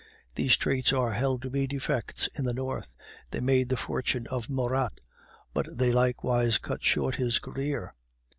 These traits are held to be defects in the North; they made the fortune of Murat, but they likewise cut short his career.